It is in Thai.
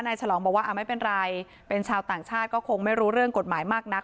ฉลองบอกว่าไม่เป็นไรเป็นชาวต่างชาติก็คงไม่รู้เรื่องกฎหมายมากนัก